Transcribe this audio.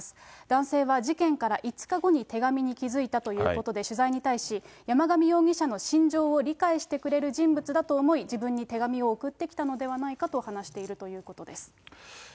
男性は事件から５日後に手紙に気付いたということで、取材に対し、山上容疑者の心情を理解してくれる人物だと思い、自分に手紙を送ってきたのではないかと話しているということです。